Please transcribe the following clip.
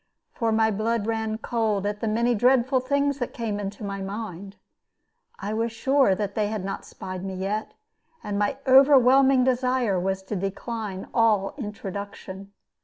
For my blood ran cold at the many dreadful things that came into my mind. I was sure that they had not spied me yet, and my overwhelming desire was to decline all introduction.